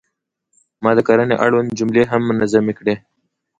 ما د کرنې اړوند جملې هم منظمې کړې.